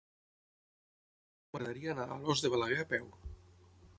M'agradaria anar a Alòs de Balaguer a peu.